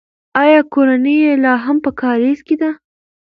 آیا کورنۍ یې لا هم په کارېز کې ده؟